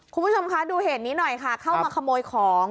คุณผู้ชมคะดูเหตุนี้หน่อยค่ะเข้ามาขโมยของ